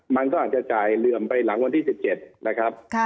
มันก็อาจจะจ่ายเหลื่อมไปหลังวันที่๑๗นะครับ